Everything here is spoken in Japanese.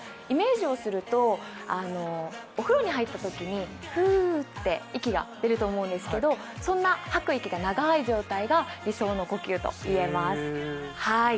イメージをすると、お風呂に入ったときにふーっと息が出ると思うんですけれども、吐く息が長い状態が理想の呼吸といえます。